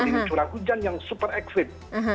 ini curah hujan yang super ekstrim